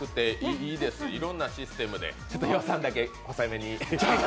いろんなシステムで予算だけ抑えめに。